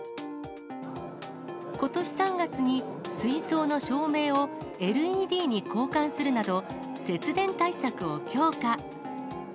ことし３月に水槽の照明をＬＥＤに交換するなど、節電対策を強化。